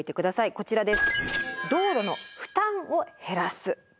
こちらです。